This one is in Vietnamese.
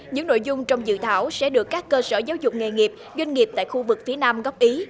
những nội dung trong dự thảo sẽ được các cơ sở giáo dục nghề nghiệp doanh nghiệp tại khu vực phía nam góp ý